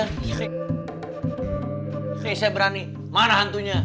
nih saya berani mana hantunya